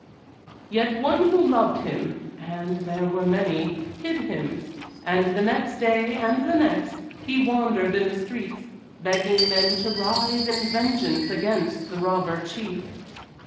Yet one who loved him and there were many hid him; and the next day and the next he wandered in the streets, begging men to rise in vengeance against the Robber Chief.